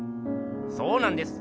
そうなんです。